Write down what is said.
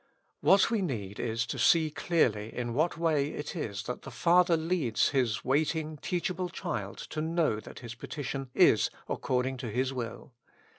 What we need is to see clearly in what way it is that the Father leads His waiting, teachable child to know that his petition is according to His will.